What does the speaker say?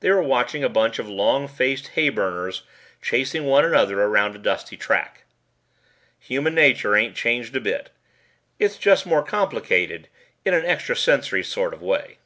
They were watching a bunch of long faced hayburners chasing one another around a dusty track. Human nature ain't changed a bit. It's just more complicated in an extrasensory sort of way.